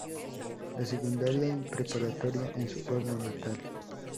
La secundaria y preparatoria en su pueblo natal.